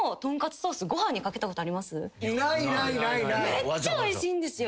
めっちゃおいしいんですよ。